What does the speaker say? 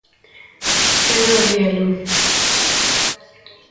Pedro Rielo.